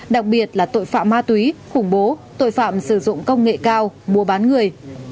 đặc biệt là tội phạm ma túy khủng bố tội phạm sử dụng công nghệ cao mua bán người